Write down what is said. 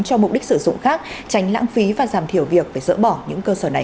cho mục đích sử dụng khác tránh lãng phí và giảm thiểu việc phải dỡ bỏ những cơ sở này